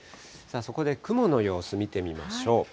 そこで雲の様子、見てみましょう。